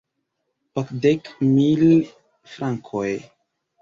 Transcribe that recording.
Okdek mil frankoj!